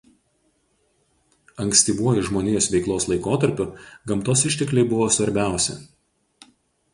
Ankstyvuoju žmonijos veiklos laikotarpiu gamtos ištekliai buvo svarbiausi.